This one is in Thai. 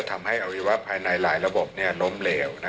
ทำให้อวัยวะภายในหลายระบบล้มเหลว